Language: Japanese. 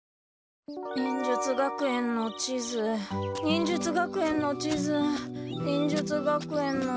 忍術学園の地図忍術学園の地図忍術学園の。